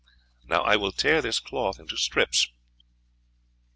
Now I will tear this cloth into strips."